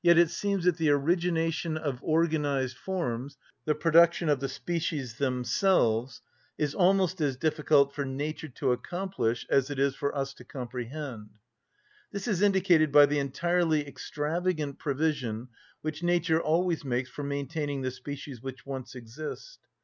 Yet it seems that the origination of organised forms, the production of the species themselves, is almost as difficult for nature to accomplish as it is for us to comprehend. This is indicated by the entirely extravagant provision which nature always makes for maintaining the species which once exist.